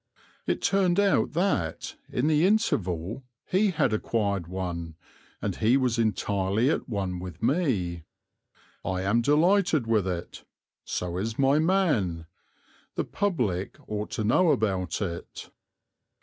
It turned out that, in the interval, he had acquired one, and he was entirely at one with me. "I am delighted with it; so is my man; the public ought to know about it."